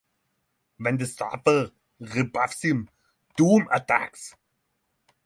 When the Surfer rebuffs him, Doom attacks.